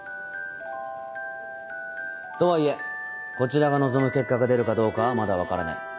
とはいえこちらが望む結果が出るかどうかはまだ分からない。